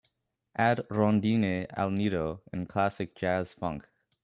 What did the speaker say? add rondine al nido in Classic Jazz Funk